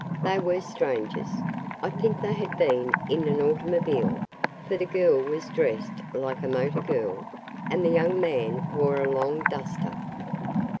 They were strangers. I think they had been in an automobile, for the girl was dressed like a motor girl, and the young man wore a long duster."